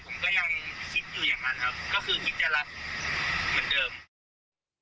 ผมก็ยังคิดอยู่อย่างนั้นครับก็คือคิดจะรักเหมือนเดิมครับ